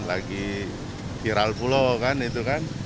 lagi viral pulau kan itu kan